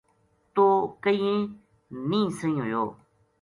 توہ کہنیے نیہہ سہی ہویو